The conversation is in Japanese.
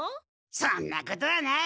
そんなことはない！